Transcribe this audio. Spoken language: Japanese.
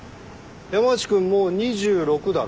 山内君もう２６だろ？